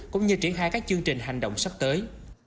cũng như triển khai các chương trình hành động sắp tới